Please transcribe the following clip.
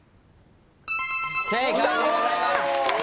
正解でございます。